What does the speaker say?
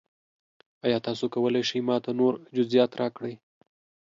ایا تاسو کولی شئ ما ته نور جزئیات راکړئ؟